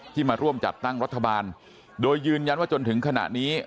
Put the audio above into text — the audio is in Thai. มาร่วมจัดตั้งรัฐบาลโดยยืนยันว่าจนถึงขณะนี้